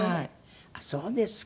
あっそうですか。